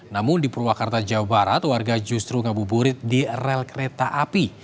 namun di purwakarta jawa barat warga justru ngabuburit di rel kereta api